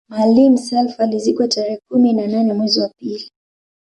Maalim Self alizikwa tarehe kumi na nane mwezi wa pili